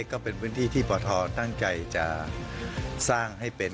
ก็เป็นพื้นที่ที่ปทตั้งใจจะสร้างให้เป็น